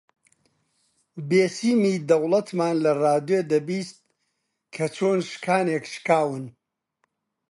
بێسیمی دەوڵەتمان لە ڕادیۆ دەبیست کە چۆن شکانێک شکاون